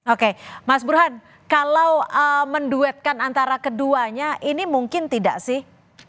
oke mas burhan kalau menduetkan antara keduanya ini mungkin tidak sih